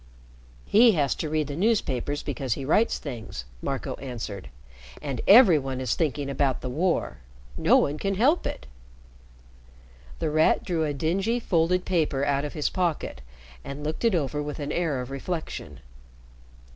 "He has to read the newspapers because he writes things," Marco answered. "And every one is thinking about the war. No one can help it." The Rat drew a dingy, folded paper out of his pocket and looked it over with an air of reflection.